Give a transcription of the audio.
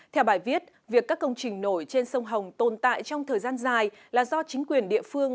theo bài viết việc các công trình nổi trên sông hồng tồn tại trong thời gian dài là do chính quyền địa phương